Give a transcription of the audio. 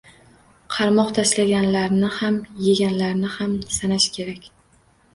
Qarmoq tashlaganlarni ham, yeganlarni ham sanash kerak.